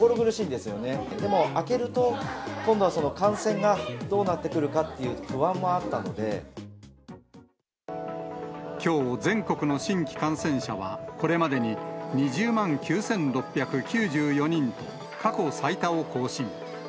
でも開けると、今度はその感染がどうなってくるかっていう不安もきょう、全国の新規感染者はこれまでに２０万９６９４人と、過去最多を更新。